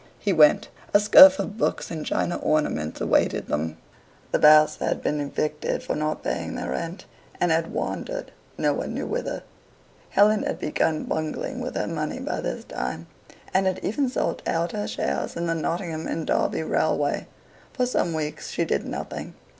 He went. A scurf of books and china ornaments awaited them. The Basts had just been evicted for not paying their rent, and had wandered no one knew whither. Helen had begun bungling with her money by this time, and had even sold out her shares in the Nottingham and Derby Railway. For some weeks she did nothing.